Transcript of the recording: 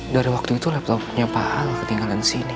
dari waktu itu laptopnya apa hal ketinggalan sini